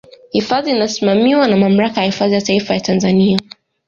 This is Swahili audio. Hifadhi inasimamiwa na Mamlaka ya Hifadhi ya Taifa ya Tanzania